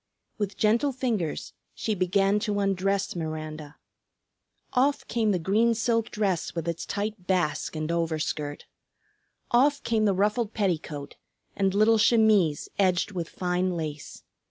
With gentle fingers she began to undress Miranda. Off came the green silk dress with its tight "basque" and overskirt. Off came the ruffled petticoat and little chemise edged with fine lace.